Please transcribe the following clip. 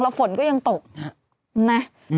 แล้วฝนก็ยังตกนะ